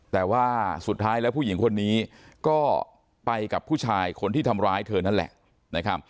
แต่ว่าสุดท้ายแล้วผู้หญิงคนนี้ก็ไปกับผู้ชายคนที่ทำร้ายเธอนั่นแหละนะครับ